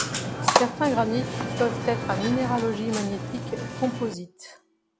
Certains granites peuvent être à minéralogie magnétique composite.